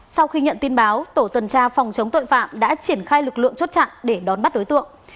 sau khi nhận tin báo tổ tuần tra phòng chống tội phạm đã triển khai lực lượng chốt chặn để đón bắt đối tượng